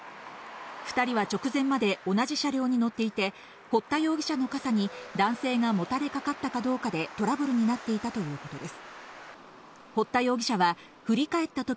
２人は直前まで同じ車両に乗っていて、堀田容疑者の肩に男性がもたれかかったかどうかでトラブルになっていたということです。